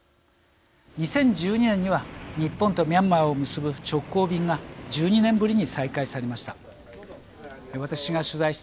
２０１２年には日本とミャンマーを結ぶ直行便が１２年ぶりに再開されました。